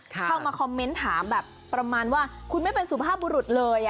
เข้ามาคอมเมนต์ถามแบบประมาณว่าคุณไม่เป็นสุภาพบุรุษเลย